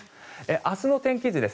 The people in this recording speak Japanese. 明日の天気図です。